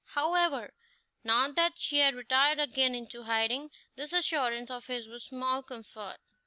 However, now that she had retired again into hiding, this assurance of his was small comfort.